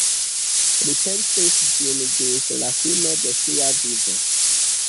Li pentris ĝin ĝis la fino de sia vivo.